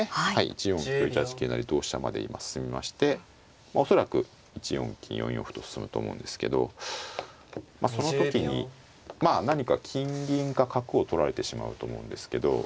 １四歩１八桂成同飛車まで今進みまして恐らく１四金４四歩と進むと思うんですけどまあその時に何か金銀か角を取られてしまうと思うんですけど。